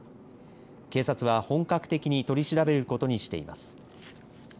警察は本格的に取り調べることにしています。